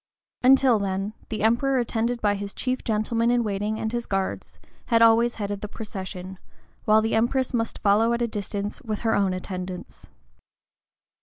[*115] Until then, the Emperor, attended by his chief gentlemen in waiting and his guards, had always headed the procession, while the Empress must follow at a distance with her own attendants.